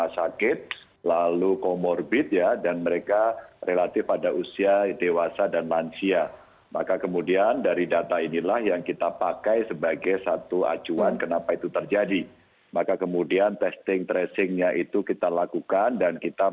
selamat sore mbak rifana